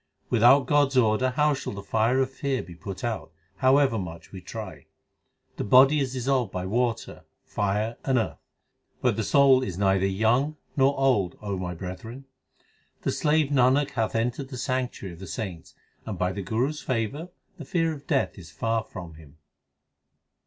Without God s order how shall the fire of fear be put out, however much we try ? The body is dissolved by water, fire, and earth, 1 But the soul is neither young nor old, 2 O my brethren. The slave Nanak hath entered the sanctuary of the saints, And by the Guru s favour the fear of death is far from him.